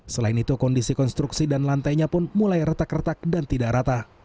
selain itu kondisi konstruksi dan lantainya pun mulai retak retak dan tidak rata